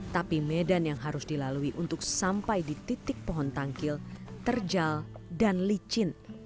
tapi medan yang harus dilalui untuk sampai di titik pohon tangkil terjal dan licin